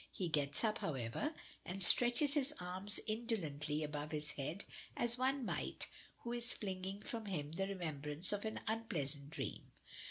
He gets up, however, and stretches his arms indolently above his head as one might who is flinging from him the remembrance of an unpleasant dream.